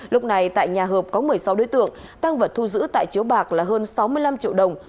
lúc này tại nhà hợp có một mươi sáu đối tượng tăng vật thu giữ tại chiếu bạc là hơn sáu mươi năm triệu đồng